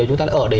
chúng ta lại ở để